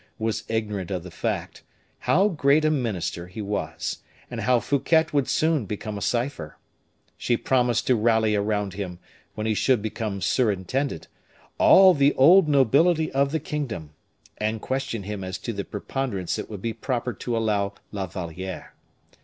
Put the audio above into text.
was ignorant of the fact, how great a minister he was, and how Fouquet would soon become a cipher. She promised to rally around him, when he should become surintendant, all the old nobility of the kingdom, and questioned him as to the preponderance it would be proper to allow La Valliere.